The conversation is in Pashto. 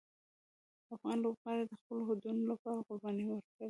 افغان لوبغاړي د خپلو هوډونو لپاره قربانۍ ورکوي.